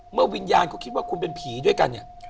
เมื่อวิญญาณเขาคิดว่าคุณเป็นผีด้วยกัน